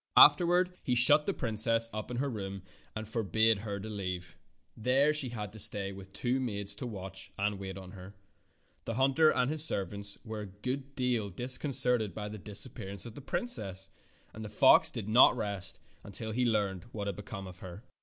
Afterward he shut the princess up in her room and forbade her to leave it. There she had to stay with two maids to watch and wait on her. The hunter and his servants were a good deal disconcerted by the disappearance of the princess, and the fox did not rest till he learned what had become of her.